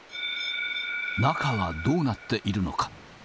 中はどうなっているのか。